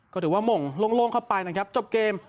ก็ถือว่าหม่งโล่งเข้าไปนะครับจบเกม